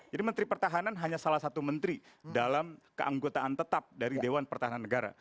jadi menteri pertahanan hanya salah satu menteri dalam keanggotaan tetap dari dewan pertahanan negara